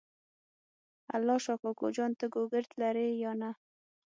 الله شا کوکو جان ته ګوګرد لرې یا نه؟